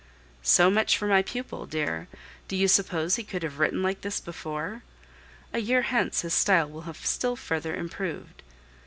So much for my pupil, dear! Do you suppose he could have written like this before? A year hence his style will have still further improved.